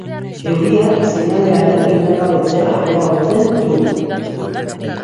Euriak seinalearen indargabetzea areagotzen du.